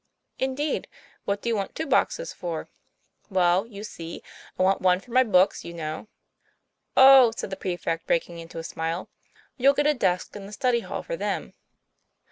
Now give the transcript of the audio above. * Indeed! what do you want two boxes for?" 'Well, you see, I want one for my books, you know." 'Oh! "said the prefect, breaking into a smile, 'you'll get a desk in the study hall for them!"